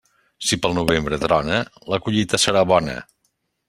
Si pel novembre trona, la collita serà bona.